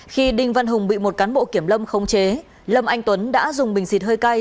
khi đinh văn hùng bị một cán bộ kiểm lâm khống chế lâm anh tuấn đã dùng bình xịt hơi cay